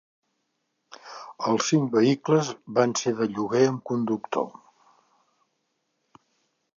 Els cinc vehicles van ser de lloguer amb conductor.